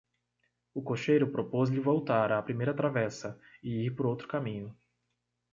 O cocheiro propôs-lhe voltar à primeira travessa, e ir por outro caminho: